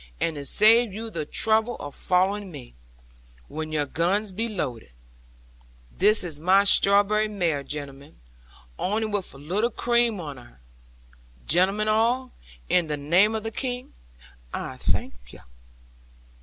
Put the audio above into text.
And to save you the trouble of following me, when your guns be loaded this is my strawberry mare, gentlemen, only with a little cream on her. Gentlemen all, in the name of the King, I thank you."